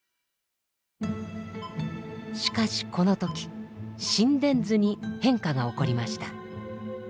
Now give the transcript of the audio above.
しかしこの時心電図に変化が起こりました。